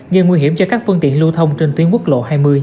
gây nguy hiểm cho các phương tiện lưu thông trên tuyến quốc lộ hai mươi